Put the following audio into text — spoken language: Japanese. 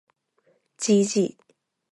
gg